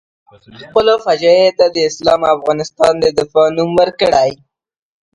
خپلو فجایعو ته یې د اسلام او افغانستان د دفاع نوم ورکړی.